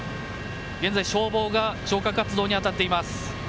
現在、消防が消火活動に当たっています。